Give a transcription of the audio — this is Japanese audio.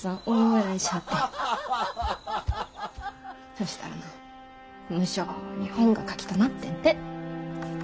そしたらな無性に台本が書きたなってんて。